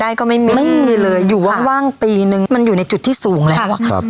ได้ก็ไม่มีไม่มีเลยอยู่ว่างปีนึงมันอยู่ในจุดที่สูงแล้วอะครับ